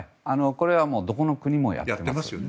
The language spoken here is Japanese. これはどこの国もやっています。